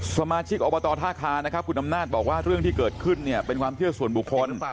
สมาชิกอบตท่าคานะครับคุณอำนาจบอกว่าเรื่องที่เกิดขึ้นเนี่ยเป็นความเชื่อส่วนบุคคล